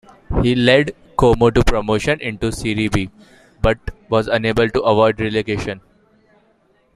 He led Como to promotion into Serie B, but was unable to avoid relegation.